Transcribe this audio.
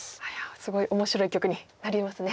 すごい面白い一局になりますね。